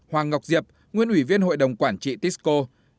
bốn hoàng ngọc diệp nguyễn ủy viên hội đồng quản trị tisco